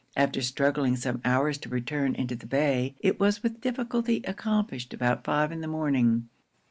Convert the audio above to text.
After struggling some hours to return into the bay, it was with difficulty accomplished about five in the morning.